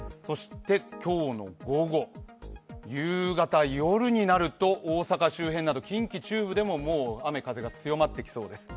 今日の午後、夕方、夜になると大阪周辺など近畿中部でももう雨・風が強まってきそうです。